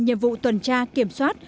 nhiệm vụ tuần tra kiểm soát